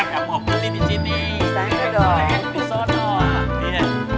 doain di sana